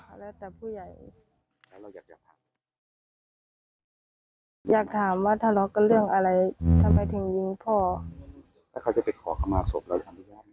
อยากถามว่าทารกกันเรื่องอะไรทำไปทิ้งยิงพ่อ